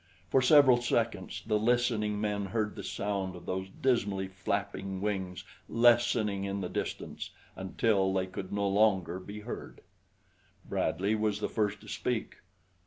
For several seconds the listening men heard the sound of those dismally flapping wings lessening in the distance until they could no longer be heard. Bradley was the first to speak.